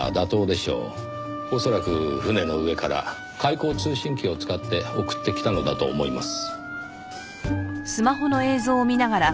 恐らく船の上から回光通信機を使って送ってきたのだと思います。